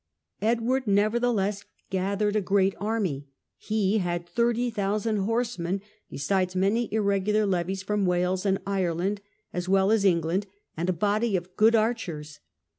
Edward nevertheless gathered a great army. He had thirty thou sand horsemen, besides many irregular levies from Wales and Ireland as well as England, and a body of good archers.